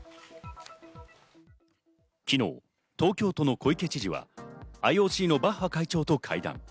昨日、東京都の小池知事はＩＯＣのバッハ会長と会談。